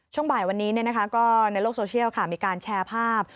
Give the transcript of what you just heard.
ช่วงบ่ายวันนี้ก็ในโลกโซเชียลมีการแชร์ภาพ